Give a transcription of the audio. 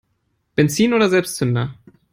Benzin oder Selbstzünder?